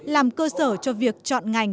làm cơ sở cho việc chọn ngành